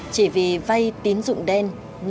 chỉ vì vai tín dụng đen năm mươi triệu đồng